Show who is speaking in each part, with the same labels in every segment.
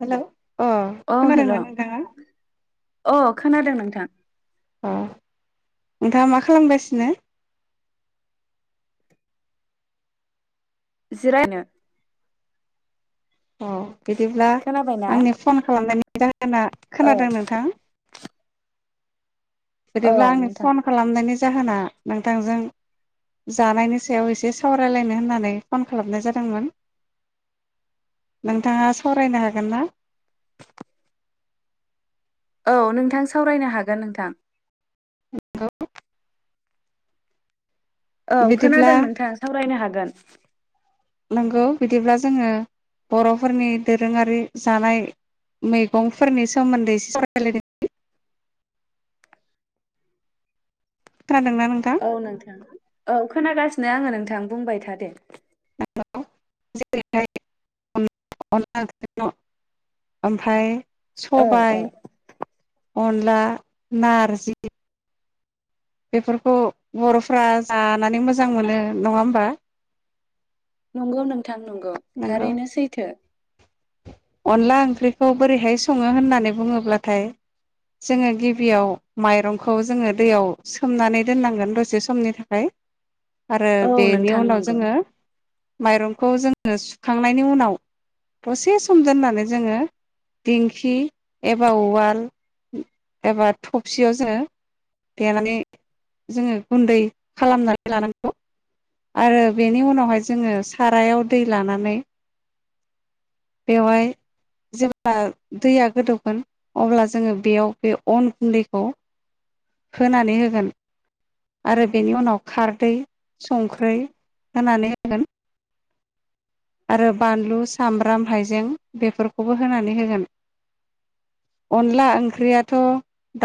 Speaker 1: Hello अ खोनादोंना नोंथाङा?
Speaker 2: अ खोनादों नोंथां।
Speaker 1: अ नोंथाङा मा खालामगासिनो?
Speaker 2: [unintelligible]
Speaker 1: अ बिदिब्ला
Speaker 2: खोनाबायना?
Speaker 1: आंनि फन खालामनायनि जाहोना
Speaker 2: औ
Speaker 1: खोनादों नोंथां?
Speaker 2: औ
Speaker 1: बिदिब्ला आंनि
Speaker 2: नोंथां
Speaker 1: फन खालामनायनि जाहोना नोंथांजों जानायनि सायाव एसे सावरायलायनो होननानै फन खालामनाय जादोंमोन नोंथाङा सावरायनो हागोन ना?
Speaker 2: औ नोंथां सावरायनो हागोन नोंथां। औ
Speaker 1: बिदिब्ला
Speaker 2: खोनादों नोंथां सावरायनो हागोन।
Speaker 1: नंगौ बिदिब्ला जोङो बरफोरनि दोरोङारि जानाय मैगंफोरनि सोमोन्दै एसे सावरालायदिनि। खोनादोंना नोंथां
Speaker 2: औ नोंथां औ खोनागासि नो आङो नोंथां बुंबाय थादे।
Speaker 1: औ जेरैहाय अनला [unintelligible] ओमफ्राय
Speaker 2: औ औ
Speaker 1: सबाय अनला नारजि बेफोरखौ बरफ्रा जानानै मोजां मोनो नङा होमबा?
Speaker 2: नंगौ नों थां नंगौ
Speaker 1: नंगौ
Speaker 2: थारैनो सैथो।
Speaker 1: अनला ओंख्रिखौ बोरैहाय सङो होननानै बुङोब्लाथाय जोङो गिबियाव माइरंखौ जोङो दैयाव सोमनानै दोननांगोन दसे समनि थाखाय। आरो
Speaker 2: औ
Speaker 1: बेनि
Speaker 2: नोंथां
Speaker 1: उनाव
Speaker 2: नंगौ
Speaker 1: जोङो माइरंखौ जोङो सुखांनायनि उनाव दसे स सम दोननानै जोङो दिंखि एबा उवाल एबा थबसियाव जोङो देनानै जोङो गुन्दै खालामनानै लानांगौ आरो बेनि उनावहाय जोङो सारायाव दै लानानै बेवहाय जेब्ला दैया गोदौगोन अब्ला जोङो बेयाव बे अन गुन्दैखौ होनानै होगोन आरो बेनि उनाव खारदै संख्रै होनानै होगोन। आरो बानलु सामब्राम हाइजें बेफोरखौबो होनानै होगोन ।अनला ओंख्रियाथ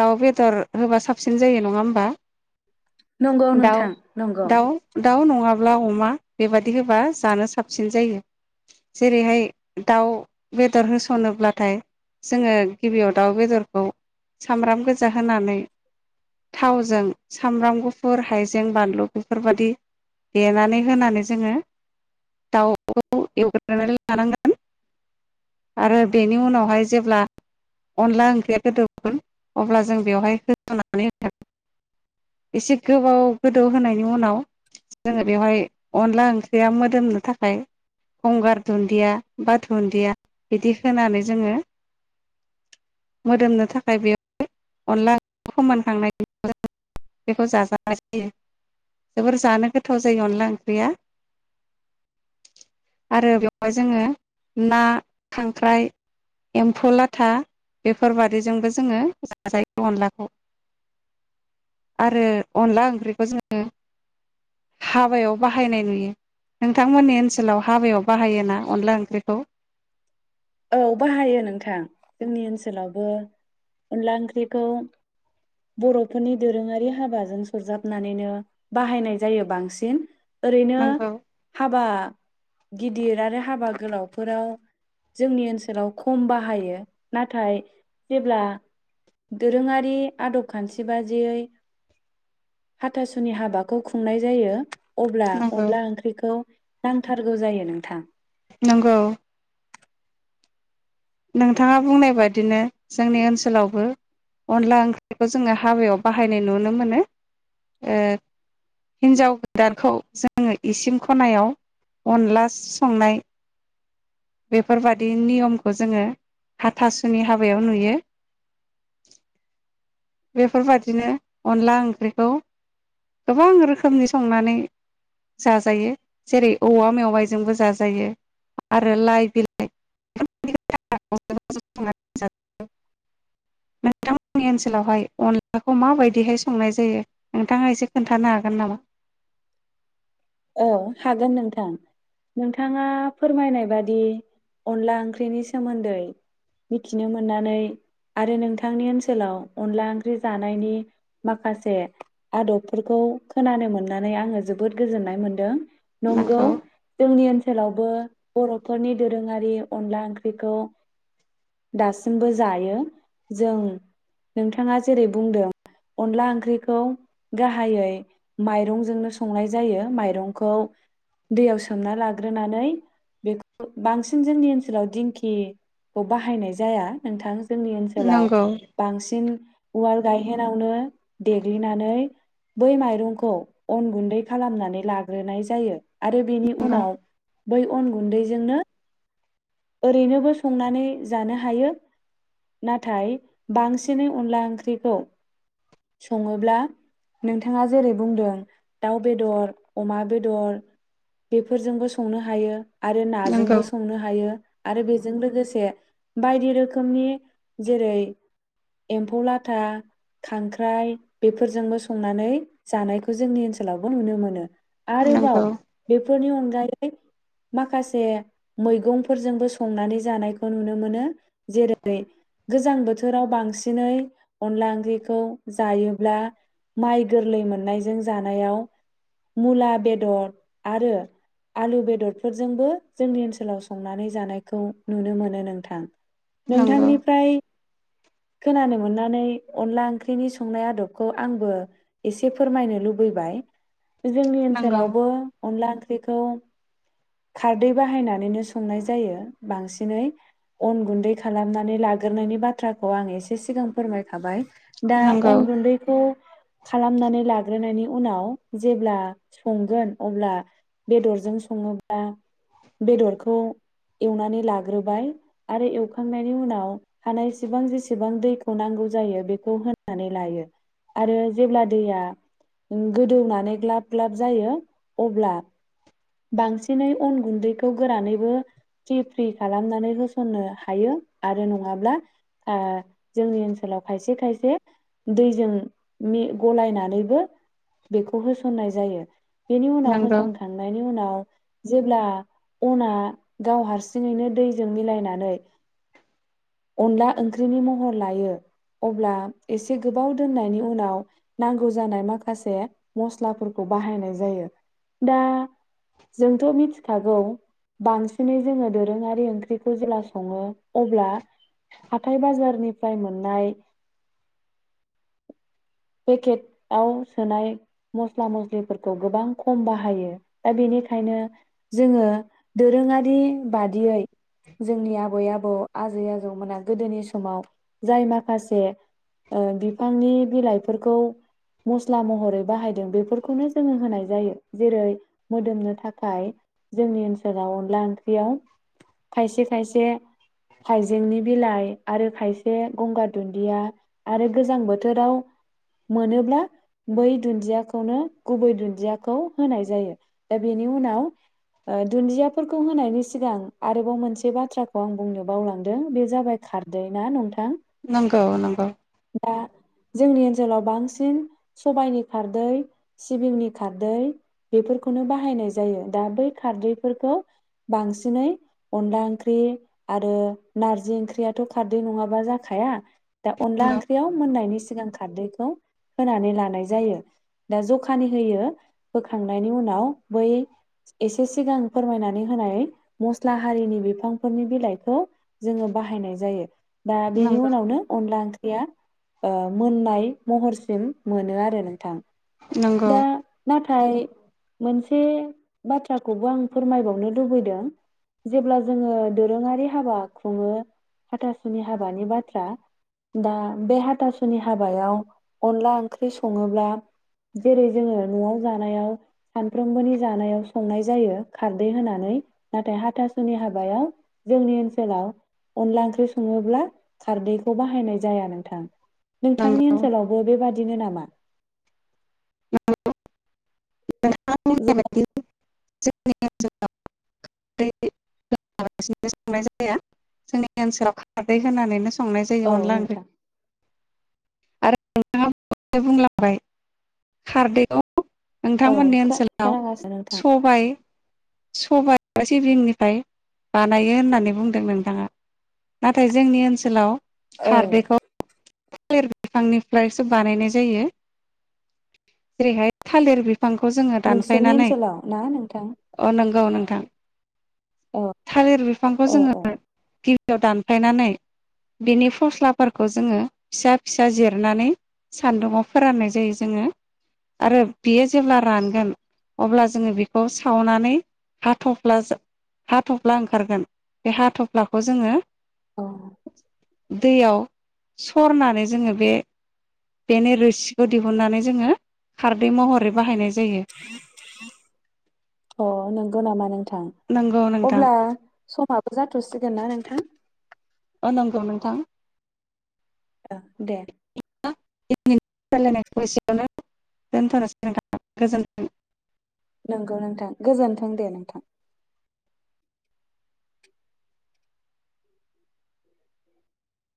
Speaker 1: दाउ बेदर होबा साबसिन जायो नङा होमबा?
Speaker 2: नंगौ
Speaker 1: दाउ
Speaker 2: नोंथां नंगौ।
Speaker 1: दाउ दाउ नङाब्ला अमा बेबादि होबा जानो साबसिन। जायो जेरैहाय दाउ बेदर होसनोब्लाथाय जोङो गिबियाव दाउ बेदरखौ सामब्राम गोजा होनानै थावजों सामब्राम गुफुर हाइजें बानलु बेफोरबायाददि देनानै होनानै जोङो दाउ। एवग्रोनानै लानांगोन आरो बेनि उनावहाय जेब्ला अनला ओंख्रिया गोदौगोन अब्ला जों बेवहाय होसनानैय एसे गोबाव गोदौ होनायनि उनाव जोङो बेवहाय अनला ओंख्रिया मोदोमनो थाखाय। गंगार दुन्दिया बा दुन्दिया बिदि होनानै जोङो मोदोमनो थाखाय बेयाव अनला फोमानखांनायनि बेखौ जाजानाय जायो जोबोर जानो गोथाव जायो अनला ओंख्रिया। आरो बेवहाय जोङो ना खांख्राइ एम्फौ लाथा बेफोरबादिजोंबो जोङो जाजायो अनलाखौ आरो अनला ओंख्रिखौ जोङो हाबायाव बाहायनाय नुयो नोंथांमोननिओनसोलाव। ओनसोलाव हाबायाव बाहायो ना अनला ओंख्रिखौ।
Speaker 2: औ बाहायो नोंथां जोंनि ओनसोलावबो अनला ओंख्रिखौ बरफोरनि दोरोङारि हाबाजों सरजाबनानैनो बाहायनाय जायो बांसिन। ओरैनो
Speaker 1: नंगौ
Speaker 2: हाबा। गिदिर आरो हाबा गोलावफोराव। जोंनि ओनसोलाव खम बाहायो नाथाय जेब्ला दोरोङारि आदब खान्थि बादियै हाथासुनि हाबाखौ खुंनाय जायो। अब्ला
Speaker 1: नंगौ
Speaker 2: अनला ओंख्रिखौ। नांथारगौ जायो नोंथां।
Speaker 1: नंगौ। नोंथाङा बुंनाय बादिनो जोंनि ओनसोलावबो अनला ओंख्रिखौ जोङो हाबायाव बाहायनाय नुनो मोनो हिन्जाव गोदानखौ जोङो इसिं खनायाव अनला संनाय। बेफोरबदि नियमखौ जोङो हाथासुनि हाबायाव नुयो बेफोरबादिनो अनला ओंख्रिखौ गोबां रोखोमनि संनानै जाजायो जेरै औवा मेवाइजोंबो जाजायो आरो। ओ लाइ बिलाइ नोंथांमोननि ओनसोलावहाय अनलाखौ माबायदिहाय संनाय जायो नोंथाङा एसे खोन्थानो हागोन नामा?
Speaker 2: औ हागोन नोंथां नोंथाङा फोरमायनाय बादि अनला ओंख्रिनि सोमोन्दै मिथिनो मोननानै आरो नोंथांनि ओनसोलाव अनला ओंख्रि जानायनि माखासे आदबफोरखौ खोनानो मोननानै आङो जोबोद गोजोननाय मोनदों । नंगौ जोंनिओनसोलाव ओनसोलावबो बर'फोरनि दोरोङारि अनला ओंख्रिखौ दासिमबो जायो जों नोंथाङा जेरै बुंदों अनला ओंख्रिखौ गाहायै माइरंजोंनो संनाय जायो माइरं माइरंखौ दैयाव सोमना लाग्रोनानै बांसिन जोंनि ओनाव दिंखिखौ बनाय जाया नोंथां । जोंनि ओनसोलाव
Speaker 1: नंगौ
Speaker 2: बांसिन उवाल गायहेनावनो देग्लिनानै बै माइरंखौ अन गुन्दै खालामनानै लागो ग्रोनाय जायो आरो बेनि
Speaker 1: नंगौ
Speaker 2: उनाव बै अन गुन्दैजोंनो ओरैनोबो संनानै जानो हायो नाथाय बांसिनै अनला ओंख्रिखौ सङोब्ला नोंथाङा जेरै बुंदों दाउ बेदर अमा बेदर बेफोरजोंबो संनो हायो । आरो
Speaker 1: नंगौ
Speaker 2: नाजोंबो संनो हायो । आरो बेजों लोगोसे बायदि रोखोमनि जेरै एम्फौ लाथा खांख्राइ बेफोरजोंबो संनानै जानायखौ जोंनि ओनसोलावबो नुनो मोनो। आरोबाव
Speaker 1: नंगौ
Speaker 2: बे बेफोरनि अनगायै माखासे मैगं फोरजोंबो संनानै जानायखौ नुनो मोनो जेरै गोजां बोथोराव बांसिनै अनला ओंख्रिखौ जायोब्ला माइ गोरलै मोननायजों जानायाव मुला बेदर आरो आलु बेदरफोरजोंबो जोंनि ओनसोलाव जोबोद । संनानै जानायखौ नुनो मोनो नोंथां ।
Speaker 1: नंगौ
Speaker 2: नोंथांनिफ्राय खोनानो मोननानै अनला ओंख्रिनि संनाय आदबखौ आंबो एसे फोरमायनो लुबैबाय । जोंनि
Speaker 1: नंगौ
Speaker 2: ओनसोलावबो अनला ओंख्रै खौ खारदै बाहायनानै सङो । संनाय जायो बांसिनै अन गुन्दै खालामनानै लाग्रोनायनि बाथ्राखौ आं एसे सिगां फोरमायखाबाय । दा
Speaker 1: नंगौ
Speaker 2: अन गुन्दैखौ। खालामनानै लाग्रोनायनि उनाव जेब्ला संगोन अब्ला बेदरजों सङोबा बेदरखौ। खौ एवनानै लाग्रोबाय आरो एवखांनायनि उनाव हानायसेबां जेसेबां दैखौ नांगौ जायो बेखौ होनानै लायो आरो जेब्ला दैया गोदौनानै ग्लाब ग्लाब जायो अब्ला बांसिनै अन गुन्दैखौ गोरानै। फ्रि फ्रि खालामनानै होसननो हायो आरो नङाब्ला जोंनि ओनसोलाव खायसे खायसे दैजों गलायनानैबो बेखौ होसननाय जायो। बेनि उनाव
Speaker 1: नंगौ
Speaker 2: होसोमखांनायनि उनाव। जेब्ला अना। गाव हारसिङैनो दैजों मिलायनानै अनला ओंख्रिनि महर लायो अब्ला एसे गोबाव दोननायनि उनाव नांगौ जानाय माखासे मस्लाफोरखौ बाहायनाय जायो दा जोंथ' मिथिखागौ बांसिनै जोङो दोरोङारि ओंख्रिखौ जेब्ला सङो अब्ला हाथाय बाजारनिफ्राय मोननाय पेकेटआव सोनाय मस्ला मस्लिफोरखौ गोबां खम बाहायो दा बेनिखायनो जोङो दोरोङारि बादियै जोंनि आबै आबौ आजै आजौमोना गोदोनि समाव जाय माखासे बिफांनि बिलाइफोरखौ मस्ला महरै बाहायदों बेफोरखौनो जोङो होनाय जायो जेरै मोदोमनो थाखाय जोंनि ओनसोलाव जेराव अनला ओंख्रियाव खायसे खायसे हाइजेंनि बिलाइ आरो खायसे गंगार दुन्दिया आरो गोजां बोथोराव मोनोब्ला बै दुन्दियाखौनो गुबै दुन्दियाखौ होनाय जायो दा बेनि उनाव ओ। दुन्दियाफोरखौ होनायनि सिगां आरोबाव मोनसे बाथ्राखौ आं बुंनो बावलांदों बे जाबाय खारदै ना नोंथां।
Speaker 1: नंगौ नंगौ।
Speaker 2: दा जोंनि ओनसोलाव बांसिन सबायनि खारदै सिबिंनि खारदै बेफोरखौनो बाहायनाय जायो दा बै खारदै। फोरखौ बांसिनै अनला ओंख्रि आरो नारजि ओंख्रियाथ' खारदै नङाबा जाखाया। दा अनला
Speaker 1: नंगौ
Speaker 2: ओंख्रियाव मोननायनि सिम। सिगां खारदैखौ होनानै लानाय जायो। फोरमायनानै होनाय मस्ला हारिनि बिफानि बिलाइखौ जोङो बाहायनाय जायो। दा बेनि
Speaker 1: नंगौ
Speaker 2: उनावनो अनला ओंख्रि। या मोननाय महरसिम मोनो आरो नोंथां।
Speaker 1: नंगौ
Speaker 2: दा नाथाय। मफ्राय मोनसे बाथ्राखौबो आं। फोरमायबावनो लुबैदों जेब्ला जोङो दोरोङारि हाबा खुङो हाथासुनि हाबानि बाथ्रा दा बे हाथासुनि हाबायाव अनला ओंख्रि सङोब्ला जेरै जोङो न'आव जानायाव सानफ्रोमबोनि जानायाव संनाय जायो। खारदै होनानै नाथाय हाथासुनि हाबायाव जोंनि ओनसोलाव अनला ओंख्रि सङोब्ला खारदैखौ बाहायनाय जाया नोंथां। नोंथांनि
Speaker 1: नंगौ
Speaker 2: ओनसोलावबो बेबादिनो नामा। [inaudible] [unintelligible]
Speaker 1: [unintelligible] जोंनि ओनसोलाव खारदै होननानैनो स संनाय जायो
Speaker 2: औ
Speaker 1: अनला ओंख्रि
Speaker 2: नोंथां
Speaker 1: आरो नोंथाङा बुंलांबाय खारदैआव।
Speaker 2: औ
Speaker 1: नोंथांमोननि ओनसोलाव
Speaker 2: खोनागासिनो नोंथां
Speaker 1: सबाय। सबाय एबा सिबिंनिफ्राय बानायो होननानै बुंदों नोंथाङा नाथाय जोंनि ओनसोलाव
Speaker 2: औ।
Speaker 1: खारदैखौ थालिर बिफांनिफ्रायसो बानायनाय जायो जेरैहाय थालिर बिफां। बिफांखौ जोङो
Speaker 2: नोंसोरनि
Speaker 1: दानफायनानै।
Speaker 2: ओनसोलाव ना नोंथां
Speaker 1: औ नोंथां।
Speaker 2: औ
Speaker 1: थालिर बिफांखौ
Speaker 2: औ औ
Speaker 1: जोङो। याव दानफायनानै बिनि फस्लाफोरखौ जोङो फिसा फिसा जिरनानै सान्दुंआव फोराननाय जायो जोङो आरो बेयो जेब्ला रानगोन अब्ला जोङो बेखौ सावनानै हाथ'फ्ला हाथ'फ्ला ओंखारगोन बे हाथ'फ्लाखौ जोङो दैयाव सरनानै जोङो बे बेनि रोसिखौ दिहुननानै जोङो खारदै महरै बाहायनाय जायो
Speaker 2: अ नंगौ नामा नोंथां?
Speaker 1: नंगौ नोंथां
Speaker 2: अब्ला समाबो जाथ'सिगोन ना नोंथां?
Speaker 1: अ नंगौ नोंथां ।
Speaker 2: ओ दे ।
Speaker 1: दिनैनि रायज्लायनायखौ एसेयावनो दोनथनोसै नोंथां गोजोन्थों ।
Speaker 2: नंगौ नोंथां गोजोन्थों दे नोंथां ।